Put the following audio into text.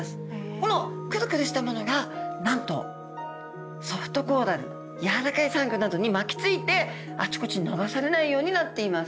このくるくるしたものがなんとソフトコーラルやわらかいサンゴなどに巻きついてあちこち流されないようになっています。